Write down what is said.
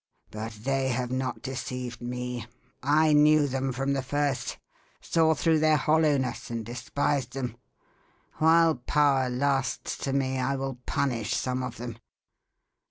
But they have not deceived me. I knew them from the first saw through their hollowness and despised them. While power lasts to me, I will punish some of them.